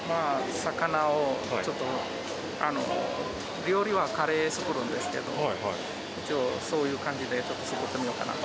魚をちょっと、料理はカレー作るんですけど、一応、そういう感じでちょっと作ってみようかなと。